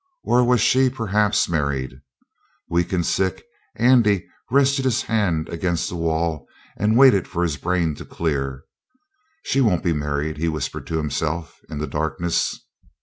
Or was she, perhaps, married? Weak and sick, Andy rested his hand against the wall and waited for his brain to clear. "She won't be married," he whispered to himself in the darkness.